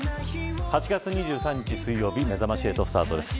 ８月２３日水曜日めざまし８スタートです。